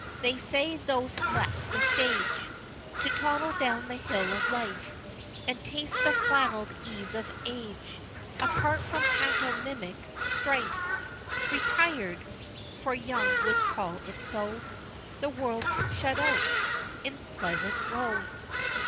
they say thou'st left the stage, To toddle down the hill of life, And taste the flannel'd ease of age, Apart from pantomimic strife "Retir'd (for Young would call it so) The world shut out" in Pleasant Row!